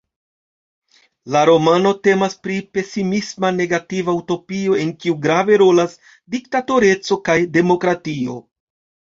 La romano temas pri pesismisma negativa utopio en kiu grave rolas diktatoreco kaj demokratio.